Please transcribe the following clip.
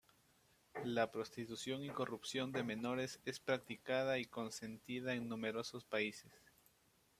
La Prostitución y corrupción de menores es practicada y consentida en numerosos países.